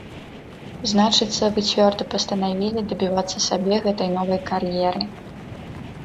Значыцца, вы цвёрда пастанавілі дабівацца сабе гэтай новай кар'еры?